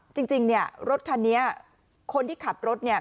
จริงเนี่ยรถคันนี้คนที่ขับรถเนี่ย